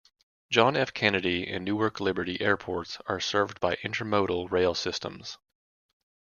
John F. Kennedy and Newark Liberty airports are served by intermodal rail systems.